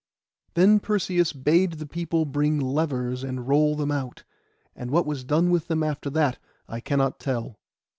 Then Perseuss bade the people bring levers and roll them out; and what was done with them after that I cannot tell.